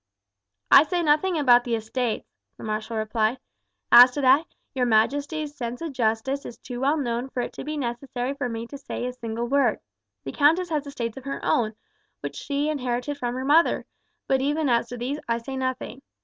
"I say nothing about the estates," the marshal replied; "as to that, your majesty's sense of justice is too well known for it to be necessary for me to say a single word. The countess has estates of her own, which she inherited from her mother, but even as to these I say nothing.